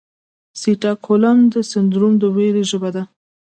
سټاکهولم سنډروم د ویرې ژبه ده.